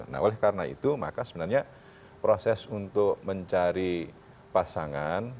nah oleh karena itu maka sebenarnya proses untuk mencari pasangan